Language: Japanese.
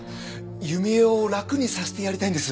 弓枝を楽にさせてやりたいんです。